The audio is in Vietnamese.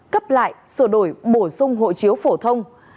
cấp lại sửa đổi bổ sung hộ chiếu phổ thông